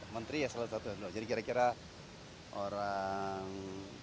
menteri jadi kira kira orang enam puluh